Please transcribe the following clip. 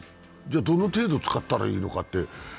じゃ、どの程度使ったらいいのかって。